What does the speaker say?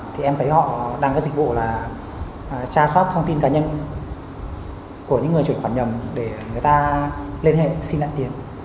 thì em thấy họ đang có dịch vụ là tra sát thông tin cá nhân của những người chuyển khoản nhầm để người ta liên hệ xin lại tiền